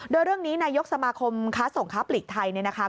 โดยเรื่องนี้นายกสมาคมค้าส่งค้าปลีกไทยเนี่ยนะคะ